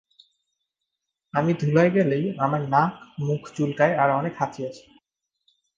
আমি ধুলায় গেলেই আমার নাক, মুখ চুলকায় আর অনেক হাঁচি আসে।